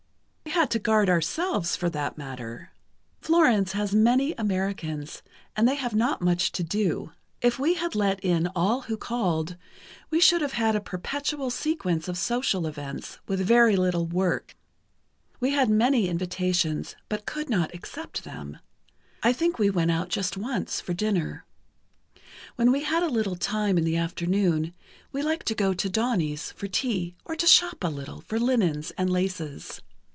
"We had to guard ourselves, for that matter. Florence has many Americans, and they have not much to do. If we had let in all who called, we should have had a perpetual sequence of social events, with very little work. We had many invitations, but could not accept them. I think we went out just once, for dinner. When we had a little time in the afternoon, we liked to go to Doni's, for tea, or to shop a little, for linens and laces.